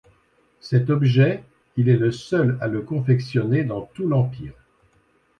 Cet objet, il est le seul à le confectionner dans tout l’empire.